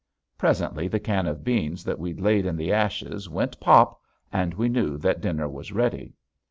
Presently the can of beans that we'd laid in the ashes went pop! and we knew that dinner was ready.